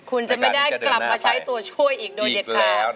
คุณจะไม่ได้กลับมาใช้ตัวช่วยอีกโดยเด็ดขาด